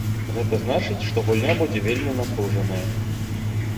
Гэта значыць, што гульня будзе вельмі напружаная.